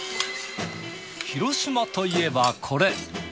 広島といえばこれ。